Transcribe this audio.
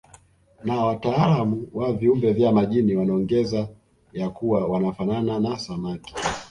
Na wataalamu wa viumbe vya majini wanaongeza ya kuwa wanafanana na samaki